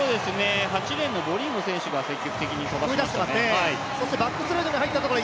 ８レーンのボリンゴ選手が積極的に飛ばしていますね。